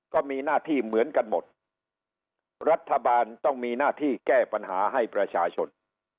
ก็มีหน้าที่เหมือนกันหมดรัฐบาลต้องมีหน้าที่แก้ปัญหาให้ประชาชน